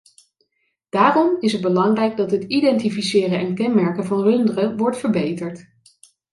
Daarom is het belangrijk dat het identificeren en kenmerken van runderen wordt verbeterd.